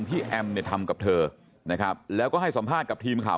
แอมเนี่ยทำกับเธอนะครับแล้วก็ให้สัมภาษณ์กับทีมข่าว